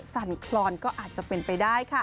สั่นคลอนก็อาจจะเป็นไปได้ค่ะ